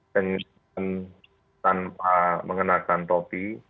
dan tanpa mengenalkan topi